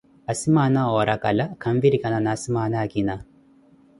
Asimaana oorakala khanvirikana na asimaana akina.